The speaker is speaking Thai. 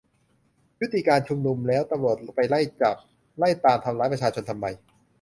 ยุติการชุมนุมแล้ว ตำรวจไปไล่จับ ไปไล่ตามทำร้ายประชาชนทำไม ?